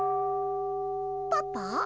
パパ？